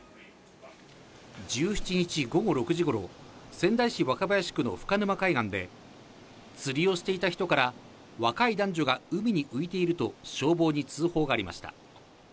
１７日午後６時ごろ、仙台市若林区の深沼海岸で、釣りをしていた人から、若い男女が海に浮いていると消防に通報がありました。